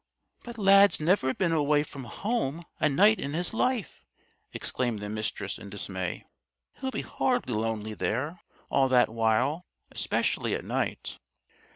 "But Lad's never been away from home a night in his life!" exclaimed the Mistress in dismay. "He'll be horribly lonely there, all that while especially at night."